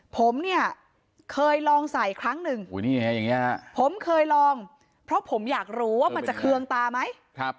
ผมเนี่ยเคยลองใส่ครั้งหนึ่งผมเคยลองเพราะผมอยากรู้ว่ามันจะเคืองตาไหม